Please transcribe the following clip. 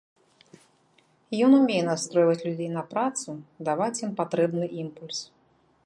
Ён умее настройваць людзей на працу, даваць ім патрэбны імпульс.